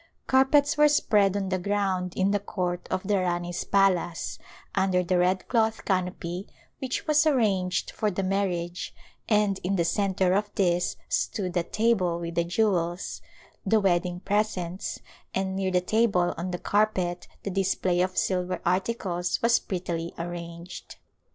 Carpets were spread on the ground in the court of A Royal Wedding the Rani's palace under the red cloth canopy which was arranged for the marriage and in the centre of this stood a table with the jewels — the wedding pres ents, and near the table on the carpet the display of silver articles was prettily arranged.